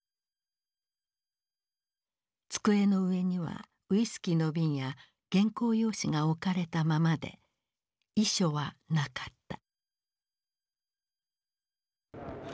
机の上にはウイスキーの瓶や原稿用紙が置かれたままで遺書はなかった。